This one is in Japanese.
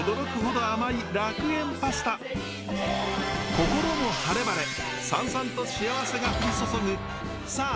心も晴れ晴れサンサンと幸せが降り注ぐさあ